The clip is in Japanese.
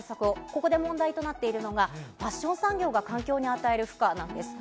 ここで問題となっているのが、ファッション産業が環境に与える負荷なんです。